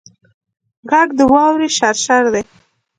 غږ د واورې شرشر دی